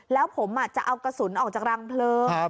แล้วผมจะเอากระสุนออกจากรังเพลิง